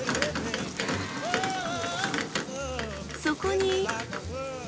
そこに。